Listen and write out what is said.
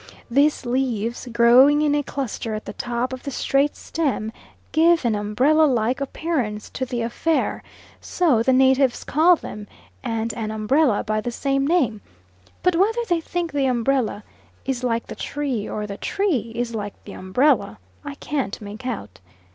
These leaves growing in a cluster at the top of the straight stem give an umbrella like appearance to the affair; so the natives call them and an umbrella by the same name, but whether they think the umbrella is like the tree or the tree is like the umbrella, I can't make out.